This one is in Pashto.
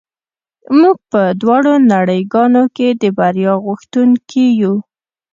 موږ په دواړو نړۍ ګانو کې د بریا غوښتونکي یو